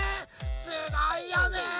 すごいよね！